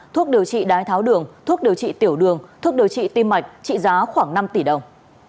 thuốc điều trị đái tháo đường thuốc điều trị tiểu đường thuốc điều trị tim mạch trị giá khoảng năm tỷ đồng